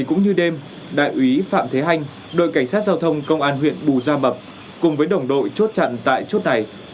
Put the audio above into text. cũng như đêm đại úy phạm thế hanh đội cảnh sát giao thông công an huyện bù gia mập cùng với đồng đội chốt chặn tại chốt này